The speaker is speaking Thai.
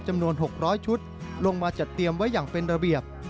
จำนวน๖๐๐ชุดลงมาจัดเตรียมไว้อย่างเป็นระเบียบ